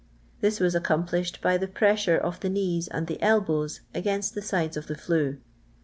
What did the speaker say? This was accomplished by the pressure of the knees and the elbows against the sides of the flue.